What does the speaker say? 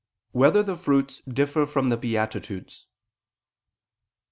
2] Whether the Fruits Differ from the Beatitudes?